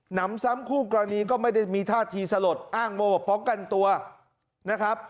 นำซ้ำคู่กรณีก็ไม่ได้มีท่าทีสลดอ้างโมว่าป้องกันตัวนะครับ